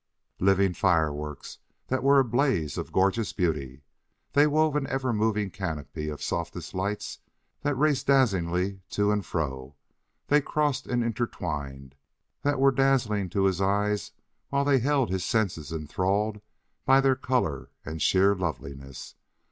Living fireworks that were a blaze of gorgeous beauty! They wove an ever moving canopy of softest lights that raced dazzlingly to and fro, that crossed and intertwined; that were dazing to his eyes while they held his senses enthralled by their color and sheer loveliness